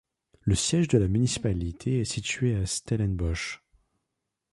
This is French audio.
Le siège de la municipalité est situé à Stellenbosch.